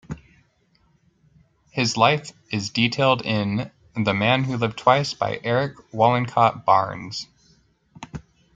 His life is detailed in "The Man Who Lived Twice" by Eric Wollencott Barnes.